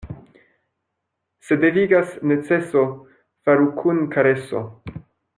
Se devigas neceso, faru kun kareso.